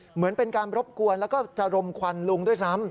เหมือนเป็นการรบกวนแล้วก็จะรมควันลุงด้วยซ้ำ